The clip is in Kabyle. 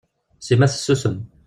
Sima tessusem.